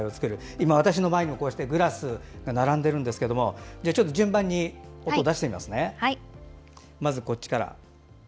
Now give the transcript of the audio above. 今、私の前にもグラスが並んでるんですけどちょっと順番に音を出してみます。